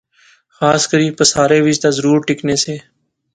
خاص کری پاسارے وچ تہ ضرور ٹکنے سے